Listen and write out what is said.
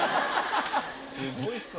すごいっすわ。